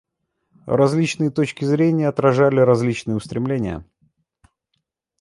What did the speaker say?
Различные точки зрения отражали различные устремления.